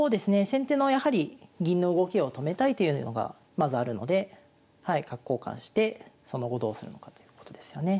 先手のやはり銀の動きを止めたいというのがまずあるのではい角交換してその後どうするのかということですよね。